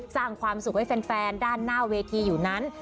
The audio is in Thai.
สร้างความสุขให้แฟนด้านหน้าเวทีอยู่นั้น